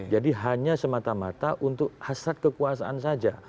jadi hanya semata mata untuk hasrat kekuasaan saja